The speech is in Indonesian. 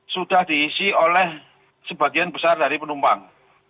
sudah diisi oleh sebagian besar dari penumpang